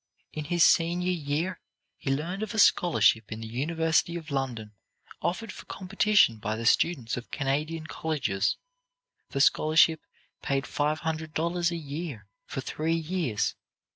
In his senior year, he learned of a scholarship in the University of London offered for competition by the students of Canadian colleges. The scholarship paid five hundred dollars a year for three years.